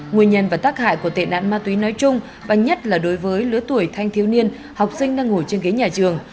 nguyên nhân và tác hại của tệ nạn ma túy nói chung và nhất là đối với lứa tuổi thanh thiếu niên học sinh đang ngồi trên ghế nhà trường